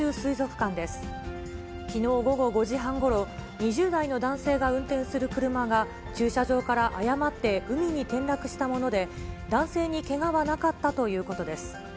きのう午後５時半ごろ、２０代の男性が運転する車が、駐車場から誤って海に転落したもので、男性にけがはなかったということです。